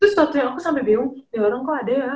terus suatu yang aku sampe bingung ya orang kok ada ya